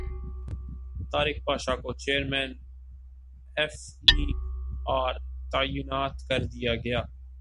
طارق پاشا کو chairman F B R تعینات کردیاگیا